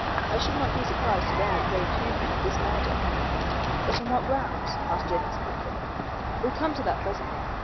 I should not be surprised to learn that they accused me of this murder." "But on what grounds?" asked Jennings quickly. "We'll come to that presently.